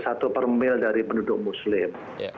yang diambil dari penduduk muslim